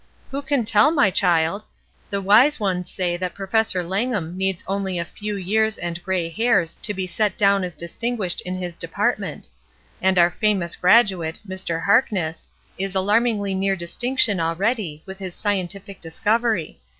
''Who can tell, my child? The wise ones say that Professor Langham needs only a few years and gray hairs to be set down as distinguished in his department; and our famous graduate, Mr. Harkness, is alarmingly near distinction already, with his scientific discovery.